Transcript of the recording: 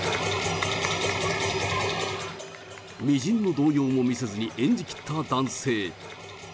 みじんも動揺を見せずに演じきった男性。